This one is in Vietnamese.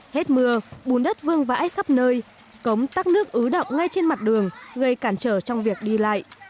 hết mưa bùn đất vương vãi khắp nơi cống tắc nước ứ động ngay trên mặt đường gây cản trở trong việc đi lại